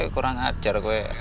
kurang ajar gue